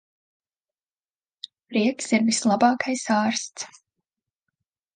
Prieks ir vislabākais ārsts.